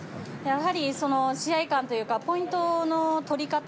やはり、試合勘というかポイントの取り方。